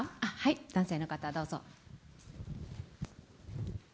男性の方、どうぞ。